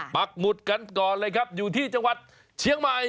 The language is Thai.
ปักหมุดกันก่อนเลยครับอยู่ที่จังหวัดเชียงใหม่